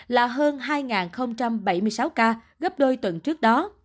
là hơn hai bảy mươi sáu ca gấp đôi tuần trước đó